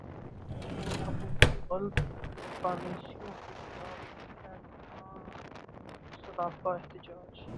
لاہور حکومتی غلط پالیسیوں کیخلاف ایپٹما سراپا احتجاج